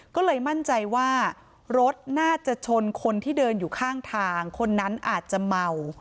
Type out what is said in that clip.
ก็เลยมั่นใจว่ารถน่าจะชนคนที่เดินอยู่ข้างทางคนนั้นอาจจะเมา